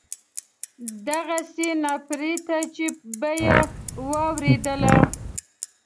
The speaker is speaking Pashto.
دغسې ناپړېته چې به یې واورېدله.